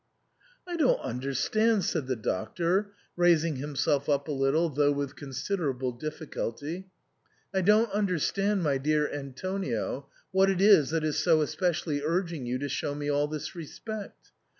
'* I don't understand," said the artist, raising him self up a little, though with considerable difficulty, " I don't understand, my dear Antonio, what it is that is so especially urging you to show me all this re spect.